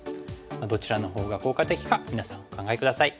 どちらのほうが効果的か皆さんお考え下さい。